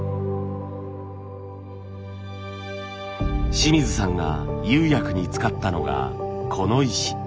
清水さんが釉薬に使ったのがこの石。